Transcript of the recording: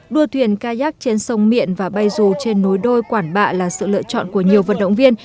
đua thuyền kayak trên sông miện và bay dù trên nối đôi quảng bạ là sự lựa chọn của nhiều vận động viên